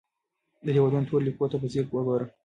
د دیوالونو تورو لیکو ته په ځیر وګوره.